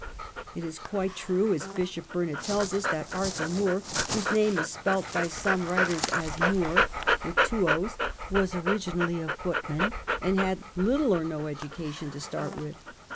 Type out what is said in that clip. It is quite true, as Bishop Burnet tells us, that Arthur Moor — whose name is spelt by some writers as Moore — was originally a footman, and had Uttle or no education to start with.